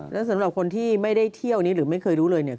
แล้วสำหรับคนที่ไม่ได้เที่ยวนี้หรือไม่เคยรู้เลยเนี่ย